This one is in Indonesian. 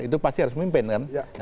itu pasti harus memimpin kan